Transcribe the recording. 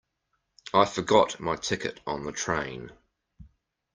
I forgot my ticket on the train.